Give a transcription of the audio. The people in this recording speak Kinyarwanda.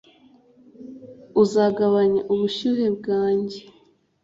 uzagabanya ubushyuhe bwanjye